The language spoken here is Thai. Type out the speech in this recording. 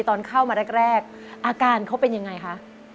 ตอนเข้ามาแรกอาการเขาเป็นยังไงคะ